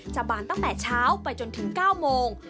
บานตั้งแต่เช้าไปจนถึง๙โมง